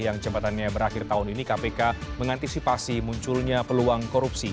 yang jembatannya berakhir tahun ini kpk mengantisipasi munculnya peluang korupsi